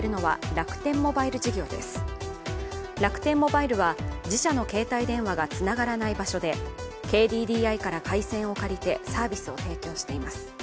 楽天モバイルは自社の携帯電話がつながらない場所でＫＤＤＩから回線を借りて、サービスを提供しています。